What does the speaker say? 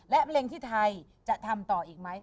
และเพลงที่ไทยจะทำต่ออีกไหม